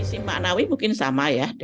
di sisi maknawi mungkin sama ya